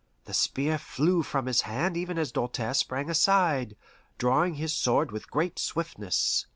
The spear flew from his hand even as Doltaire sprang aside, drawing his sword with great swiftness.